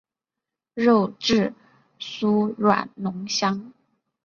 肉质酥软浓香。